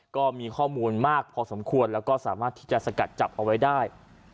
ก็มีข้อมูลมากพอสมควรแล้วก็สามารถที่จะสกัดจับเอาไว้ได้